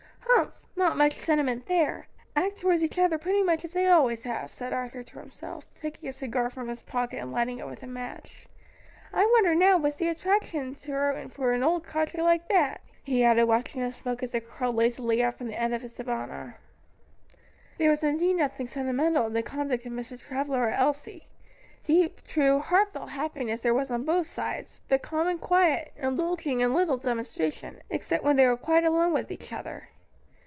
"Humph! not much sentiment there; act towards each other pretty much as they always have," said Arthur to himself, taking a cigar from his pocket and lighting it with a match. "I wonder now what's the attraction to her for an old codger like that," he added watching the smoke as it curled lazily up from the end of his Havana. There was indeed nothing sentimental in the conduct of Mr. Travilla or Elsie: deep, true, heartfelt happiness there was on both sides, but calm and quiet, indulging in little demonstration, except when they were quite alone with each other.